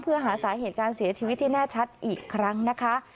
เพื่อหาสาเหตุการเสียชีวิตที่แน่ชัดอีกครั้งนะคะ